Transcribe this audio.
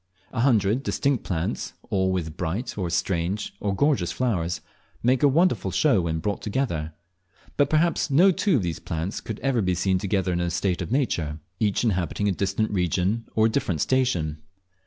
A hundred distinct plants, all with bright, or strange, or gorgeous flowers, make a wonderful show when brought together; but perhaps no two of these plants could ever be seen together in a state of nature, each inhabiting a distant region or a different station.